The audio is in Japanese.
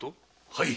はい。